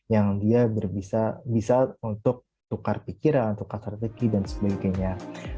yang dia bisa untuk tukar pikiran tukar teki dan sebagainya